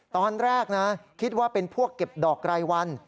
ตอนแรกนะคิดว่าเป็นพวกเก็บดอกรายวัน